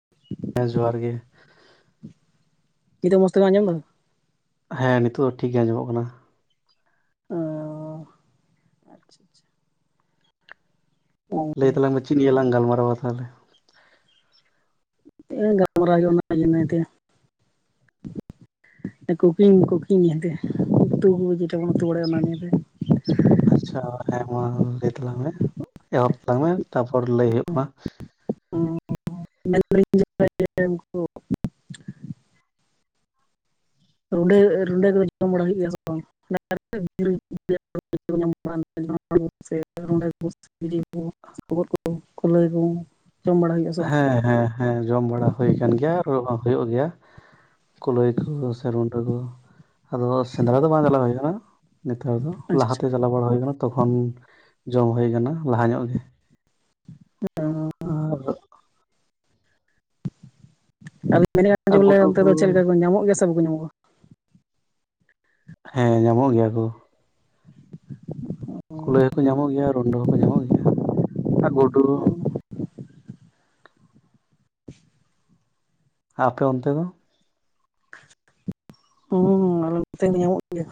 [inaudible] ᱦᱮᱸ ᱡᱚᱦᱟᱨ ᱜᱮ ᱾ ᱠᱤᱫᱟ. ᱜ ᱢᱚᱥ ᱛᱮᱢ ᱟᱸᱡᱚᱢ ᱟᱠᱟᱫᱟ? ᱦᱮᱸ ᱱᱤᱛᱳᱜ ᱫᱚ ᱴᱷᱤᱠ ᱜᱮ ᱟᱸᱡᱚᱢᱚᱜ ᱠᱟᱱᱟ ᱾ ᱟᱸᱻᱣ ᱟᱪᱪᱷᱟ ᱟᱪᱪᱷᱟ᱾ ᱞᱟᱹᱭ ᱛᱟᱞᱟᱝ ᱢᱮ ᱪᱮᱫ ᱱᱤᱭᱟᱹ ᱞᱟᱝ ᱜᱟᱞᱢᱟᱨᱟᱣᱟ ᱛᱟᱦᱮᱞᱮ? ᱮᱸ ᱜᱟᱢᱟᱨᱟᱣ ᱜᱮ ᱚᱱᱟ ᱡᱟᱹᱱᱟᱹ ᱛᱮᱭᱟᱜ ᱾ [inaudible] ᱮᱸ ᱠᱩᱠᱤᱝ ᱠᱩᱠᱤᱝ ᱮᱸᱜᱼᱟ ᱯᱮ, ᱩᱛᱩ ᱵᱩᱡᱽ ᱨᱮᱵᱚᱱ ᱩᱛᱩ ᱵᱟᱲᱟᱭᱟ ᱚᱱᱟ ᱫᱤᱱ ᱨᱮ ᱾ ᱟᱪᱪᱷᱟ ᱦᱮᱸ ᱢᱟ ᱞᱟᱹᱭ ᱛᱟᱞᱟᱝ ᱢᱮ, ᱮᱦᱚᱵ ᱛᱟᱝ ᱢᱮ ᱛᱟᱯᱚᱨ ᱞᱟᱹᱭ ᱦᱩᱭᱩᱜ ᱠᱟᱱᱟ, ᱩᱸ ᱢᱮᱱ ᱫᱟ ᱞᱤᱧ ᱡᱮ, [unintelligible] ᱩᱱᱠᱩ ᱨᱩᱸᱰᱟ. ᱨᱩᱸᱰᱟ. ᱠᱚᱫᱚ ᱡᱚᱢ ᱵᱟᱲᱟ ᱦᱩᱭᱩᱜ ᱜᱮᱭᱟ ᱥᱮ ᱵᱟᱝ [unintelligible] [inaudible] ᱠᱷᱚᱵᱚᱨ ᱠᱚ ᱞᱟᱹᱭ ᱵᱤᱱ ᱡᱚᱢ ᱵᱟᱲᱟ ᱦᱩᱭᱩᱜᱼᱟ ᱥᱮ ᱵᱟᱝ? ᱦᱮᱸ ᱦᱮᱸ ᱦᱮᱸ ᱡᱚᱢ ᱵᱟᱲᱟ ᱦᱩᱭ ᱟᱠᱟᱱ ᱜᱮᱭᱟ ᱦᱚᱸ ᱦᱩᱭᱩᱜ ᱜᱮᱭᱟ ᱠᱩᱞᱟᱹᱭ ᱠᱚ ᱥᱮ ᱨᱩᱸᱰᱟᱹ ᱠᱚ ᱟᱫᱚ ᱥᱮᱸᱫᱽᱨᱟ ᱫᱚ ᱵᱟᱝ ᱪᱟᱞᱟᱣ ᱦᱩᱭ ᱠᱟᱱᱟ ᱱᱮᱛᱟᱨ ᱫᱚ ᱟᱪᱪᱷᱟ ᱟᱪᱪᱷᱟ ᱞᱟᱦᱟᱛᱮ ᱪᱟᱞᱟᱣ ᱵᱟᱲᱟ ᱦᱩᱭ ᱟᱠᱟᱱᱟ ᱛᱚᱠᱷᱚᱱ ᱡᱚᱢ ᱦᱩᱭ ᱟᱠᱟᱱᱟ ᱞᱟᱦᱟ ᱧᱚᱜ ᱜᱮ ᱦ [inaudible] ᱟᱨ ᱛᱟᱦᱞᱤᱧ ᱢᱮᱱᱮᱫ ᱟ ᱡᱮ ᱟᱨ ᱵᱚᱞᱮ ᱜᱩᱰᱩ ᱚᱱᱛᱮ ᱫᱚ ᱪᱮᱫ ᱞᱮᱠᱟ ᱠᱚ ᱧᱟᱢᱚᱜ ᱜᱮᱭᱟ ᱥᱮ ᱵᱟᱠᱚ ᱧᱟᱢᱚᱜᱼᱟ? ᱦᱮᱸ ᱧᱟᱢᱚᱜ ᱜᱮᱭᱟ ᱠᱩ ᱠᱩᱞᱟᱹᱭ ᱦᱚᱸᱠᱚ ᱧᱟᱢᱚᱜ ᱜᱮᱭᱟ ᱨᱩᱸᱰᱟᱹ ᱦᱚᱸᱠᱚ ᱧᱟᱢᱚᱜ ᱜᱮᱭᱟ ᱟᱨ ᱜᱩᱰᱩ ᱟᱯᱮ ᱚᱱᱛᱮ ᱫᱚ ᱦᱩᱸ ᱟᱞᱮ ᱱᱚᱛᱮ ᱧᱟᱢᱚᱜ ᱜᱮᱭᱟ᱾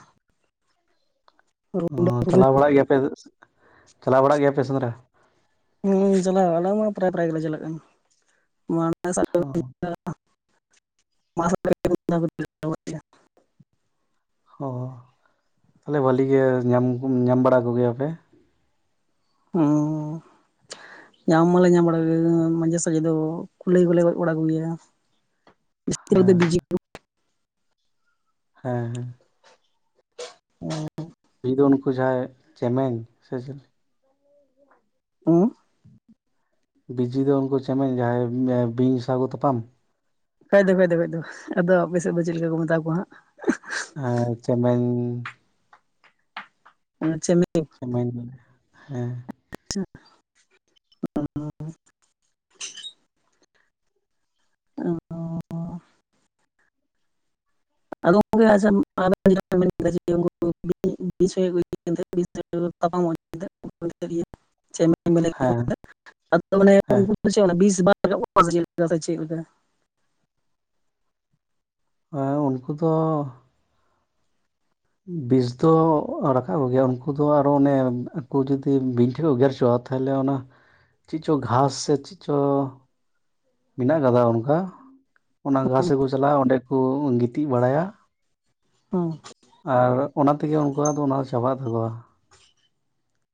ᱚ ᱨᱩᱸᱰᱟᱹ ᱠᱚ ᱪᱟᱞᱟᱣ ᱵᱟᱲᱟᱜ ᱜᱮᱭᱟᱯᱮ ᱪᱟᱞᱟᱣ ᱵᱟᱲᱟᱜ ᱜᱮᱭᱟᱯᱮ ᱥᱮᱸᱫᱽᱨᱟ? ᱦᱩᱸ ᱪᱟᱞᱟᱣ ᱟᱞᱮ ᱢᱟ ᱯᱨᱟᱭ ᱯᱨᱟᱭ ᱜᱮᱞᱮ ᱪᱟᱞᱟᱜ ᱠᱟᱱᱟ᱾ ᱢᱟᱲᱟᱝ ᱥᱟᱞᱼᱼ ᱚ [inaudible] ᱦᱚᱸ ᱛᱟᱞᱦᱮ ᱵᱷᱟᱹᱞᱤ ᱜᱮ ᱧᱟᱢ ᱧᱟᱢ ᱵᱟᱲᱟ ᱠᱚᱜᱮᱭᱟᱯᱮ? ᱦᱚᱸ ᱧᱟᱢ ᱢᱟᱞᱮ ᱧᱟᱢ ᱵᱟᱲᱟ ᱠᱚᱜᱮᱭᱟ ᱢᱟᱡᱷᱮ ᱥᱟᱡᱮ ᱫᱚ ᱠᱩᱞᱟᱹᱭ ᱠᱚᱞᱮ ᱜᱚᱡ ᱵᱟᱲᱟ ᱠᱚᱜᱮᱭᱟ [inaudible] ᱤᱥ ᱵ [unintelligible] ᱦᱮᱸ ᱦᱮᱸ ᱦᱮᱸ [inaudible] ᱵᱤᱡᱤ ᱫᱚ ᱩᱱᱠᱩ ᱡᱟᱦᱟᱸᱭ ᱪᱮᱢᱮᱧ ᱥᱮ ᱪᱤᱞᱤ? ᱦᱩᱸ ᱵᱤᱡᱤ ᱫᱚ ᱩᱱᱠᱩ ᱪᱮᱢᱮᱧ ᱡᱟᱦᱟᱸᱭ ᱵᱤᱧ ᱥᱟᱣ ᱠᱚ ᱛᱟᱯᱟᱢ ᱠᱷᱟᱡ ᱫᱚ ᱠᱷᱟᱡ ᱫᱚ ᱠᱷᱟᱡ ᱫᱚ ᱟᱫᱚ ᱟᱯᱮ ᱥᱮᱫ ᱫᱚ ᱪᱮᱫ ᱞᱮᱠᱟ ᱠᱚ ᱢᱮᱛᱟ ᱠᱚᱣᱟ ᱦᱟᱸᱜ? ᱟᱨ ᱪᱮᱢᱮᱧ ᱟᱸ ᱪᱮᱢᱮᱧ ᱪᱮᱢᱮᱧ ᱦᱮᱸ ᱪ ᱟᱨ [inaudible] ᱟᱫᱚ [inaudible] ᱟᱫᱚ ᱜᱚᱢᱠᱮ ᱟᱪᱷᱟ [inaudible] ᱵ ᱦᱮᱸ [inaudible] ᱟᱫᱚ ᱚᱱᱮ ᱦᱮᱸ ᱩᱱᱠᱩ ᱪᱮᱫ ᱚᱱᱟ ᱵᱤᱥ ᱵᱟ ᱨᱟᱠᱟ ᱠᱚᱜ-ᱟ ᱪᱮᱫ ᱥᱮ ᱪᱮᱫ ᱞᱮᱠᱟ? ᱦᱮᱸ ᱩᱱᱠᱩ ᱫᱚ ᱵᱤᱥ ᱫᱚ ᱨᱟᱠᱟᱵ ᱠᱚᱜᱮᱭᱟ ᱩᱱᱠᱩ ᱫᱚ ᱟᱨᱚ ᱚᱱᱮ ᱩᱱᱠᱩ ᱡᱩᱫᱤ ᱵᱤᱧ ᱴᱷᱮᱡ ᱠᱚ ᱜᱮᱨ ᱦᱚᱪᱚᱼᱟ ᱛᱚ ᱛᱟᱦᱚᱞᱮ ᱚᱱᱟ ᱪᱮᱫ ᱪᱚᱝ ᱜᱷᱟᱥ ᱥᱮ ᱪᱮᱫ ᱪᱚ ᱢᱮᱱᱟᱜ ᱟᱠᱟᱫᱟ ᱚᱱᱠᱟ ᱚᱱᱟ ᱜᱷᱟᱥ ᱥᱮᱫ ᱠᱚ ᱪᱟᱞᱟᱜᱼᱟ ᱚᱸᱰᱮ ᱠᱚ ᱜᱤᱛᱤᱡ ᱵᱟᱲᱟᱭᱟ ᱦᱩᱸ ᱟᱨ ᱚᱱᱟ ᱛᱮᱜᱮ ᱩᱱᱠᱩᱣᱟᱜ ᱫᱚ ᱚᱱᱟ ᱪᱟᱵᱟᱜ ᱛᱟᱠᱚᱣᱟ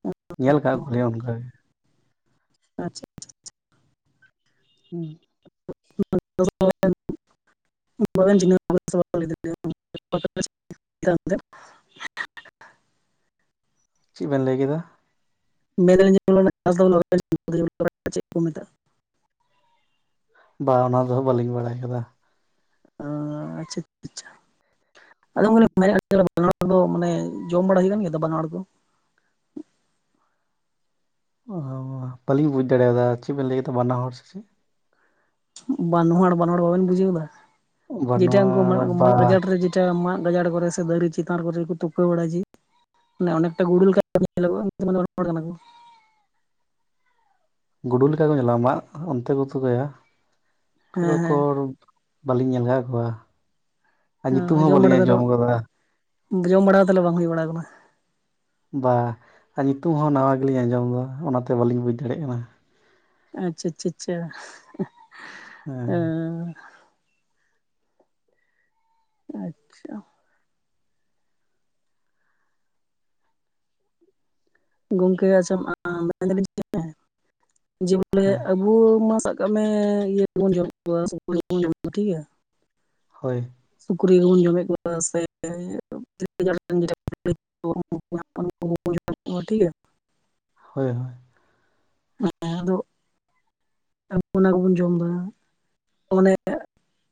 ᱚ [inaudible] ᱧᱮᱞ ᱠᱟᱫ ᱠᱚ ᱜᱮᱭᱟ ᱚᱱᱠᱟ ᱟᱪᱪᱷᱟ ᱦᱩᱸ ᱾ [inaudible] ᱡ [inaudible] ᱪᱮᱫ ᱵᱮᱱ ᱞᱟᱹᱭ ᱠᱮᱫᱟ? ᱢᱮᱱ ᱫᱟᱞᱤᱧ ᱚᱱᱟ ᱜᱷᱟᱥ [unintelligible] [inaudible] ᱪᱮᱫ ᱠᱚ ᱢᱮᱛᱟᱜᱼᱟ? ᱵᱟ ᱚᱱᱟ ᱫᱚ ᱦᱟᱸᱜ ᱵᱟᱹᱞᱤᱧ ᱵᱟᱲᱟᱭ ᱟᱠᱟᱫᱟ ᱾ ᱚ ᱟᱪᱪᱷᱟ ᱪᱟ ᱪᱷᱟ, ᱟᱹᱞᱤᱧ ᱢᱟ ᱞᱤᱧ ᱢᱮᱱᱮᱫ ᱵᱟᱱᱣᱟᱲ ᱫᱚ ᱢᱟᱱᱮ ᱡᱚᱢ ᱵᱟᱲᱟ ᱦᱩᱭ ᱠᱟᱱ ᱜᱮᱭᱟ ᱛᱚ ᱵᱟᱱᱣᱟᱲ ᱠᱚ? ᱚᱦᱚ, ᱵᱟᱹᱞᱤᱧ ᱵᱩᱡᱽ ᱫᱟᱲᱮᱭᱟᱫᱟ ᱪᱮᱫ ᱵᱮᱱ ᱞᱟᱹᱭ ᱠᱮᱫᱟ ᱵᱟᱱᱟ ᱦᱚᱲ ᱥᱮ ᱪᱮᱫ? ᱵᱟᱱᱦᱟᱶᱟᱬ, ᱵᱟᱱᱶᱟᱬ ᱵᱟᱵᱮᱱ ᱵᱩᱡᱷᱟᱹᱣ ᱮᱫᱟ, ᱡᱮᱴᱟ ᱩᱱᱠᱩ ᱵᱟᱱᱣᱟᱲ ᱢᱟᱫ ᱵᱟ ᱢᱟᱫ ᱜᱟᱡᱟᱲ ᱨᱮ ᱡᱮ ᱪᱟ ᱢᱟᱜ ᱜᱟᱡᱟᱲ ᱠᱚᱨᱮ ᱥᱮ ᱫᱟᱨᱮ ᱪᱮᱛᱟᱱ ᱨᱮᱠᱚ ᱡᱮ ᱠᱚ ᱛᱩᱠᱟᱹ ᱵᱟᱲᱟᱭ ᱡᱮ ᱾ ᱢᱟᱱᱮ ᱚᱱᱮᱠᱴᱟ ᱜᱩᱲᱩ ᱞᱮᱠᱟ ᱧᱮᱞᱚᱜᱚᱜ-ᱟ, ᱩᱱᱠᱩ ᱫᱚ [unintelligible] ᱵᱟᱱᱶᱟᱬ ᱠᱟᱱᱟ ᱠᱚ ᱾ ᱜᱩᱰᱩ ᱞᱮᱠᱟ ᱠᱚ ᱧᱮᱞᱚᱜ-ᱟ, ᱢᱟᱜ ᱚᱱᱛᱮ ᱠᱚ ᱛᱩᱠᱟᱹᱭᱟ ᱚᱱᱠᱟ ᱫᱚ ᱦᱮᱸ ᱚᱠᱚᱨ ᱵᱟᱹᱞᱤᱧ ᱧᱮᱞ ᱟᱠᱟᱫ ᱠᱚᱣᱟ, ᱟᱨ ᱧᱩᱛᱩᱢ ᱦᱚᱸ ᱡᱚᱢ ᱵᱟᱹᱞᱤᱧ ᱵᱟᱲᱟ ᱫᱚ ᱟᱸᱡᱚᱢ ᱟᱠᱟᱫᱟ ᱾ ᱡᱚᱢ ᱵᱟᱲᱟ ᱫᱚ ᱛᱟᱦᱚᱞᱮ ᱵᱟᱝ ᱦᱩᱭ ᱵᱟᱲᱟ ᱟᱠᱟᱱᱟ? ᱵᱟ, ᱟᱨ ᱧᱩᱛᱩᱢ ᱦᱚᱸ ᱱᱟᱣᱟ ᱜᱮᱞᱤᱧ ᱟᱸᱡᱚᱢ ᱮᱫᱟ ᱚᱱᱟᱛᱮ ᱵᱟᱹᱞᱤᱧ ᱵᱩᱡᱽ ᱫᱟᱲᱮᱜ ᱠᱟᱱᱟ ᱾ ᱟᱪᱪᱷᱟ ᱪᱷᱟ ᱪᱷᱟ, ᱦᱮᱸ ᱚ ᱾ ᱟᱪᱪᱷᱟ ᱾ ᱜᱚᱝᱠᱮ ᱟᱪᱪᱷᱟ ᱢᱟ ᱢᱮᱱᱫᱟᱹᱞᱤᱧ [inaudible] ᱡᱮ ᱵᱚᱞᱮ ᱦᱮᱸ ᱟᱹᱵ ᱟᱵᱚ ᱢᱟ ᱥᱟᱵ ᱠᱟᱜ ᱢᱮ ᱤᱭᱟᱹ ᱜᱮᱵᱚᱱ ᱡᱚᱢᱮᱜ ᱠᱚᱣᱟ, ᱥᱩᱠᱨᱤ ᱠᱚ ᱵᱚᱱ ᱡᱚᱢᱮᱜ ᱠᱚᱣᱟ ᱴᱷᱤᱠ ᱜᱮᱭᱟ ᱾ ᱦᱳᱭ ᱾ ᱥᱩᱠᱨᱤ ᱠᱚᱵᱚᱱ ᱡᱚᱢᱮᱫ ᱠᱚᱣᱟ, ᱥᱮ [unintelligible] [inaudible] [inaudible] ᱴᱷᱤᱠ ᱜᱮᱭᱟ ᱾ ᱦᱳᱭ ᱦᱳᱭ ᱾ ᱦᱮ ᱟᱫᱚ ᱚᱱᱟ ᱠᱚᱵᱚᱱ ᱡᱚᱢ ᱮᱫᱟ ᱢᱟᱱᱮ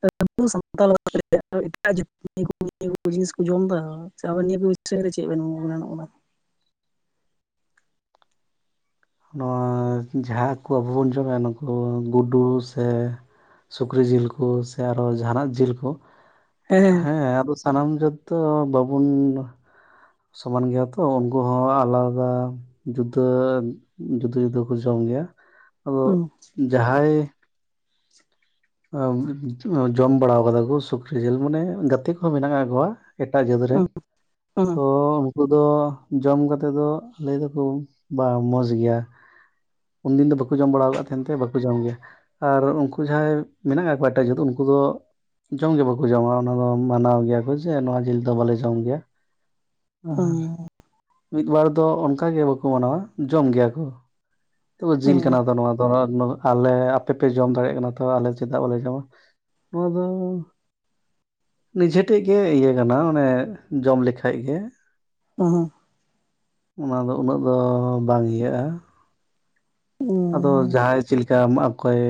ᱟᱵᱚ ᱥᱟᱱᱛᱟᱞ [inaudible] [unintelligible] ᱮᱴᱟᱜ ᱡᱟᱹᱛᱤ ᱠᱚ [inaudible] ᱱᱤᱭᱟᱹ ᱡᱤᱱᱤᱥ ᱠᱚ ᱡᱚᱢ ᱮᱫᱟ, ᱥᱮ ᱟᱵᱮᱱ ᱱᱤᱭᱟᱹ ᱠᱚ ᱪᱮᱫ ᱵᱤᱥᱚᱭ ᱨᱮ ᱪᱮᱫ ᱵᱮᱱ ᱜᱩᱱᱟᱹᱱᱚᱜ ᱠᱟᱱᱟ? ᱱᱚᱣᱟ ᱡᱟᱦᱟᱸ ᱠᱚ ᱟᱵᱚ ᱵᱚᱱ ᱡᱚᱢᱮᱜ-ᱟ ᱱᱩᱠᱩ ᱜᱩᱰᱩ ᱥᱮ ᱥᱩᱠᱨᱤ ᱡᱤᱞ ᱠᱚ ᱥᱮ ᱟᱨᱦᱚᱸ ᱡᱟᱦᱟᱸᱱᱟᱜ ᱡᱤᱞ ᱠᱚ ᱦᱮᱸ ᱟᱫᱚ ᱥᱟᱱᱟᱢ ᱡᱟᱹᱛ ᱫᱚ ᱵᱟᱵᱩᱱ ᱥᱚᱢᱟᱱ ᱜᱮᱭᱟ ᱛᱚ, ᱩᱱᱠᱩ ᱦᱚᱸ ᱟᱞᱟᱫᱟ ᱡᱩᱫᱟᱹ ᱡᱩᱫᱟᱹ ᱡᱩᱫᱟᱹ ᱠᱚ ᱡᱚᱢ ᱜᱮᱭᱟ, ᱟᱫᱚ ᱡᱟᱦᱟᱸᱭ ᱟᱸ ᱡᱚᱢ ᱵᱟᱲᱟᱣ ᱠᱟᱫᱟ ᱠᱚ ᱥᱩᱠᱨᱤ ᱡᱤᱞ ᱢᱟᱱᱮ ᱜᱟᱛᱮ ᱠᱚᱦᱚᱸ ᱢᱮᱱᱟᱜ ᱟᱠᱟᱜ ᱠᱚᱣᱟ ᱾ ᱮᱴᱟᱜ ᱡᱟᱹᱛ ᱨᱮᱱ, ᱛᱚ ᱩᱝᱠᱩ ᱫᱚ ᱡᱚᱢ ᱠᱟᱛᱮᱫ ᱫᱚ ᱞᱟᱹᱭ ᱫᱟᱠᱚ ᱵᱟ ᱢᱚᱡᱽ ᱜᱮᱭᱟ ᱾ ᱩᱱᱫᱤᱱ ᱫᱚ ᱵᱟᱠᱚ ᱡᱚᱢ ᱵᱟᱲᱟ ᱠᱟᱫ ᱛᱟᱦᱮᱱ ᱛᱮ ᱵᱟᱠᱚ ᱡᱚᱢ ᱜᱮᱭᱟ, ᱟᱨ ᱩᱱᱠᱩ ᱡᱟᱦᱟᱸᱭ ᱢᱮᱱᱟᱜ ᱠᱟᱜ ᱠᱚᱣᱟ ᱮᱴᱟᱜ ᱡᱟᱹᱛ ᱩᱱᱠᱩ ᱫᱚ ᱡᱚᱢ ᱜᱮ ᱵᱟᱠᱚ ᱡᱚᱢᱟ ᱚᱱᱟ ᱫᱚ ᱢᱟᱱᱟᱣ ᱜᱮᱭᱟ ᱠᱚ ᱡᱮ ᱱᱚᱣᱟ ᱡᱤᱞ ᱫᱚ ᱵᱟᱞᱮ ᱡᱚᱢ ᱜᱮᱭᱟ ᱾ ᱟᱨ ᱢᱤᱫ ᱵᱟᱨ ᱫᱚ ᱚᱱᱠᱟ ᱜᱮ ᱵᱟᱠᱚ ᱢᱟᱱᱟᱣᱟ ᱡᱚᱢ ᱜᱮᱭᱟ ᱠᱚ ᱾ ᱛᱚᱵᱮ ᱡᱤᱞ ᱠᱟᱱᱟ ᱛᱚ ᱱᱚᱣᱟ ᱫᱚ ᱟᱞᱮ, ᱟᱯᱮ ᱯᱮ ᱡᱚᱢ ᱫᱟᱲᱮᱜ ᱠᱟᱱᱟ ᱛᱚ ᱟᱞᱮ ᱪᱮᱫᱟᱜ ᱵᱟᱞᱮ ᱡᱚᱢᱟ? ᱱᱚᱣᱟ ᱫᱚ ᱱᱤᱡᱮ ᱴᱷᱮᱡ ᱜᱮ ᱤᱭᱟᱹ ᱠᱟᱱᱟ, ᱢᱱᱮ ᱡᱚᱢ ᱞᱮᱠᱷᱟᱡ ᱜᱮ ᱾ ᱦᱩᱸ ᱦᱩᱸ ᱾ ᱚᱱᱟ ᱫᱚ ᱩᱱᱟᱹᱜ ᱫᱚ ᱵᱟᱝ ᱤᱭᱟᱹᱜ-ᱟ ᱾ ᱟᱫᱚ ᱡᱟᱦᱟᱸᱭ ᱪᱮᱫ ᱞᱮᱠᱟ ᱮᱢᱟᱜ ᱠᱚᱭ?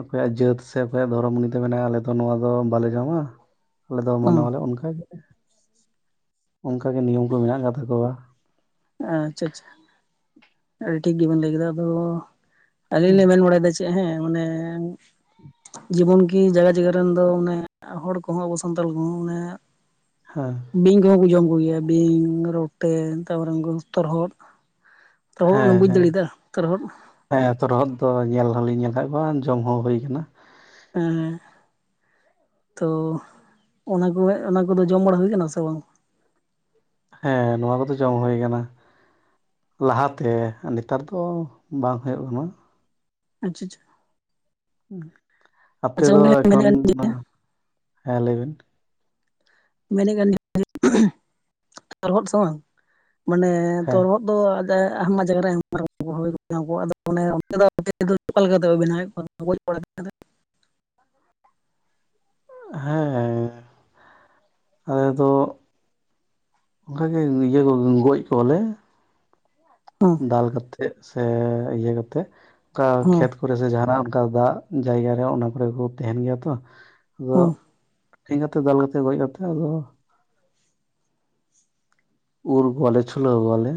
ᱚᱠᱚᱭᱟᱜ ᱡᱟᱹᱛ ᱥᱮ ᱚᱠᱚᱭᱟᱜ ᱫᱷᱚᱨᱚᱢ ᱩᱱᱤ ᱫᱚᱭ ᱢᱮᱱᱟ ᱟᱞᱮ ᱫᱚ ᱱᱚᱣᱟ ᱫᱚ ᱵᱟᱞᱮ ᱡᱚᱢᱟ᱾ ᱟᱞᱮ ᱫᱚ ᱢᱟᱱᱟᱣᱟᱞᱮ ᱚᱱᱠᱟᱜᱮ, ᱚᱱᱠᱟᱜᱮ ᱱᱤᱭᱚᱢ ᱠᱚ ᱢᱮᱱᱟᱜ ᱟᱠᱟᱫ ᱛᱟᱠᱚᱣᱟ᱾ ᱟᱪᱪᱷᱟ ᱟᱪᱪᱷᱟ ᱟᱹᱰᱤ ᱴᱷᱤᱠ ᱜᱮᱵᱮᱱ ᱞᱟᱹᱭ ᱠᱮᱫᱟ ᱟᱫᱚ, ᱦᱮᱸ ᱟᱹᱞᱤᱧ ᱞᱤᱧ ᱢᱮᱱ ᱵᱟᱲᱟᱭ ᱮᱫᱟ᱾ ᱦᱮᱸ ᱚᱱᱮ ᱡᱤᱵᱚᱱ ᱜᱮ᱾ ᱠᱤ ᱡᱟᱜᱟ ᱡᱟᱜᱟ ᱨᱮᱱ ᱫᱚ ᱢᱟᱱᱮ ᱦᱚᱲ ᱠᱚᱦᱚᱸ, ᱟᱵᱚ ᱥᱟᱱᱛᱟᱞ ᱠᱚᱦᱚᱸ, ᱢᱟᱱᱮ ᱦᱮᱸ᱾ ᱵᱤᱧ ᱠᱚᱦᱚᱸ ᱠᱚ ᱡᱚᱢ ᱠᱚ ᱜᱮᱭᱟ, ᱵᱤᱧ ᱨᱚᱴᱮ ᱛᱟᱯᱚᱨᱮ ᱩᱱᱠᱩ ᱛᱚᱨᱦᱚᱫ᱾ ᱛᱚᱨᱦᱚᱫ ᱢᱟᱱᱮᱢ ᱦᱮᱸ ᱵᱩᱡᱽ ᱦᱮᱸ ᱫᱟᱲᱮᱭᱫᱟ ᱛᱚᱨᱦᱚᱫ᱾ ᱦᱮᱸ ᱛᱚᱨᱦᱚᱫ ᱫᱚ ᱧᱮᱞ ᱦᱚᱞᱤᱧ ᱧᱮᱞ ᱟᱠᱟᱫ ᱠᱚᱣᱟ, ᱡᱚᱢ ᱦᱚᱸ ᱦᱩᱭ ᱟᱠᱟᱱᱟ᱾ ᱮᱸᱻ ᱛᱚ ᱚᱱᱟ ᱠᱚ ᱜᱮ ᱚᱱᱟ ᱠᱚᱫᱚ ᱡᱚᱢ ᱵᱟᱲᱟ ᱦᱩᱭ ᱟᱠᱟᱱᱟ ᱥᱮ ᱵᱟᱝ? ᱦᱮᱸ ᱱᱚᱣᱟ ᱠᱚᱫᱚ ᱡᱚᱢ ᱦᱩᱭ ᱟᱠᱟᱱᱟ। ᱞᱟᱦᱟ ᱛᱮ ᱱᱮᱛᱟᱨ ᱫᱚ ᱵᱟᱝ ᱦᱩᱭᱩᱜ ᱠᱟᱱᱟ। ᱟᱪᱪᱷᱟ। ᱟᱯᱮ ᱟᱪᱪᱷᱟ ᱫᱚ ᱜᱚᱝᱠᱮ ᱞᱤᱧ ᱢᱮᱱᱮᱫ ᱮᱠᱷᱚᱱ, ᱠᱟᱱ ᱦᱮᱸ ᱞᱟᱹᱭ ᱵᱤᱱ। ᱢᱮᱱᱮᱫ ᱠᱟᱱᱟ [inaudible] ᱛᱚᱨᱦᱚᱫ ᱥᱮ ᱵᱟᱝ ᱢᱟᱱᱮ ᱦᱮᱸ ᱛᱚᱨᱦᱚᱫ। ᱫᱚ ᱡᱟᱭ ᱟᱭᱢᱟ ᱡᱟᱭᱜᱟ ᱨᱮ ᱟᱭᱢᱟ ᱨᱚᱠᱚᱢ ᱠᱚ ᱦᱩᱭ ᱠᱚᱣᱟ ᱟᱫᱚ ᱚᱱᱮ ᱚᱱ ᱫᱚ [unintelligible] ᱚᱠᱟ ᱞᱮᱠᱟ ᱠᱟᱛᱮᱜ ᱠᱚ ᱵᱮᱱᱟᱣᱮᱫ ᱠᱚᱣᱟ [unintelligible] ᱦᱮᱸ ᱟᱞᱮ ᱫᱚ ᱚᱱᱠᱟ ᱜᱮ ᱤᱭᱟᱹ ᱠᱚ ᱜᱚᱡ ᱠᱚᱣᱟᱞᱮ। ᱦᱚᱸ ᱫᱟᱞ ᱠᱟᱛᱮᱸᱫ ᱥᱮ ᱤᱭᱟᱹ ᱠᱟᱛᱮ ᱚᱱᱠᱟ ᱦᱚᱸ ᱠᱷᱮᱛ ᱠᱚᱨᱮ ᱥᱮ ᱡᱟᱦᱟᱱᱟᱜ ᱚᱱᱠᱟ ᱫᱟᱜ ᱡᱟᱭᱜᱟ ᱨᱮ ᱚᱱᱟ ᱠᱚᱨᱮ ᱠᱚ ᱛᱟᱦᱮᱸᱱ ᱜᱮᱭᱟ ᱛᱚ ᱟᱫᱚ ᱦᱚᱸ ᱴᱷᱮᱝᱜᱟᱛᱮ ᱫᱟᱞ ᱠᱟᱛᱮ ᱜᱚᱡ ᱠᱟᱛᱮ ᱟᱫᱚ ᱩᱨ ᱠᱚᱣᱟᱞᱮ, ᱪᱷᱩᱞᱟᱹᱣ ᱠᱚᱣᱟᱞᱮ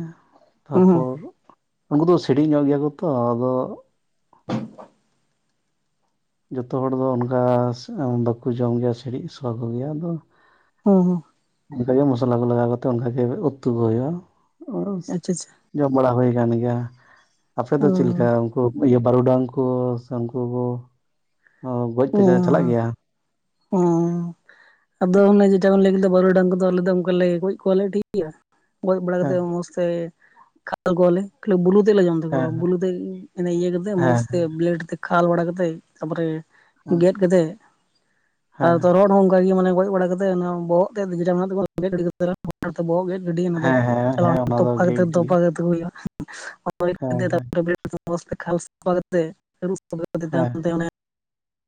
ᱦᱚᱸ ᱛᱟᱨᱯᱚᱨ ᱩᱱᱠᱩ ᱫᱚ ᱥᱤᱲᱤᱡ ᱧᱚᱜ ᱜᱮᱭᱟ ᱠᱚ ᱛᱚ ᱟᱫᱚ ᱡᱚᱛᱚ ᱦᱚᱲ ᱫᱚ ᱚᱱᱠᱟ ᱵᱟᱠᱚ ᱡᱚᱢ ᱜᱮᱭᱟ ᱥᱤᱲᱤᱡ ᱥᱚ ᱠᱚᱜᱮᱭᱟ ᱟᱫᱚ ᱦᱩᱸ ᱦᱩᱸ। ᱚᱱᱠᱟᱜᱮ ᱢᱚᱥᱞᱟ ᱠᱚ ᱞᱟᱜᱟᱣ ᱠᱟᱛᱮᱜ ᱚᱱᱠᱟᱜᱮ ᱩᱛᱩ ᱠᱚ ᱦᱩᱭᱩᱜ-ᱟ ᱟᱪᱪᱷᱟ ᱟᱪᱪᱷᱟ [inaudible] ᱡᱚᱢ ᱵᱟᱲᱟ ᱦᱩᱭ ᱟᱠᱟᱱ ᱜᱮᱭᱟ। ᱟᱯᱮ ᱫᱚ ᱚᱸ ᱪᱮᱫ ᱞᱮᱠᱟ ᱩᱱᱠᱩ ᱤᱭᱟᱹ᱾ ᱵᱟᱹᱨᱩᱰᱟᱝ ᱠᱚ ᱥᱮ ᱩᱱᱠᱩ ᱠᱚ ᱜᱚᱡ ᱯᱮ ᱪᱟᱞᱟᱜ ᱜᱮᱭᱟ? ᱚ ᱟᱫᱚ ᱚᱱᱮ ᱡᱮᱴᱟ ᱵᱮᱱ ᱞᱟᱹᱭ ᱠᱮᱫᱟ ᱵᱟᱹᱨᱩ ᱰᱟᱝ ᱠᱚᱫᱚ ᱟᱞᱮ ᱫᱚ ᱚᱱᱠᱟᱞᱮ ᱜᱚᱡ ᱠᱚᱣᱟᱞᱮ ᱠᱤ ᱤᱭᱟ ᱜᱚᱡ ᱵᱟᱲᱟ ᱠᱟᱛᱮ ᱦᱮᱸ ᱢᱚᱸᱡᱽ ᱛᱮ ᱠᱷᱟᱞ ᱠᱚᱣᱟᱞᱮ ᱠᱷᱟᱹᱞᱤ ᱵᱩᱞᱩ ᱛᱮᱞᱮ ᱡᱚᱢ ᱦᱮᱸ ᱵᱩᱞᱩ ᱛᱮ ᱮᱱᱮ ᱤᱭᱟᱹ ᱠᱟᱛᱮᱜ ᱢᱚᱸᱡᱽ ᱦᱮᱸ ᱛᱮ ᱵᱮᱞᱮᱰ ᱛᱮ ᱠᱷᱟᱞ ᱵᱟᱲᱟ ᱠᱟᱛᱮ ᱛᱟᱨ ᱯᱚᱨᱮ ᱜᱮᱫ ᱠᱟᱛᱮᱫ ᱟᱫᱚ ᱦᱮᱸ ᱛᱚᱨᱦᱚᱸᱫ ᱚᱱᱠᱟᱜ ᱜᱮ ᱢᱟᱱᱮ ᱜᱚᱡ ᱵᱟᱲᱟ ᱠᱟᱛᱮᱫ ᱵᱚᱦᱚᱜ ᱛᱮ ᱡᱮᱴᱟ ᱢᱮᱱᱟᱜ ᱛᱟᱠᱚᱣᱟ ᱜᱮᱛ ᱜᱤᱲᱤ ᱵᱚᱦᱚᱜ ᱜᱮᱫ ᱜᱮᱹᱰᱤ ᱚᱱᱟ ᱫᱚ ᱦᱮᱸ ᱦᱮᱸ ᱪᱟᱞᱟᱣ ᱦᱮᱸ ᱚᱱᱟ ᱫᱚ ᱛᱚᱯᱟ ᱜᱮ ᱠᱟᱛᱮ ᱜᱤᱰᱤ ᱛᱚᱯᱟ ᱠᱟᱛᱮ ᱠᱚ ᱦᱮᱸ ᱦᱩᱭᱩᱜ-ᱟ। ᱦᱮᱸ [unintelligible] ᱠᱷᱟᱞ ᱥᱟᱯᱷᱟ ᱠᱟᱛᱮ ᱟᱹᱨᱩᱯ ᱯᱚᱨᱮ ᱦᱮᱸ ᱛᱟᱭᱚᱢ ᱛᱮ ᱚᱱᱮ